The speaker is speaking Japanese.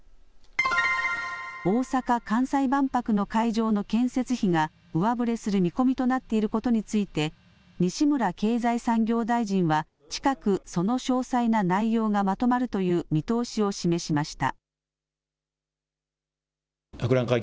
大阪・関西万博の会場の建設費が上振れする見込みとなっていることについて西村経済産業大臣は近く、その詳細な内容がまとまるという見通しを示しました。